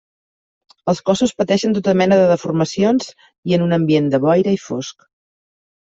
Els cossos pateixen tota mena de deformacions i en un ambient de boira i fosc.